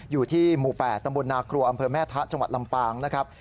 อยู่ที่หมู่๘ตำบลนาครัวอำเภอแม่ทะจังหวัดลำปางนะครับ